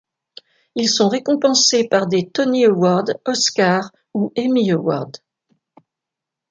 Ils sont récompensés par des Tony Award, Oscars, ou Emmy Award.